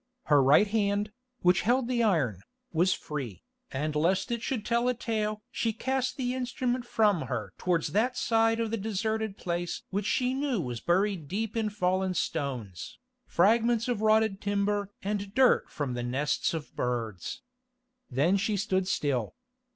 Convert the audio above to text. Her right hand, which held the iron, was free, and lest it should tell a tale she cast the instrument from her towards that side of the deserted place which she knew was buried deep in fallen stones, fragments of rotted timber and dirt from the nests of birds. Then she stood still.